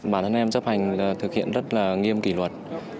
bản thân em chấp hành thực hiện rất nghiêm kỷ luật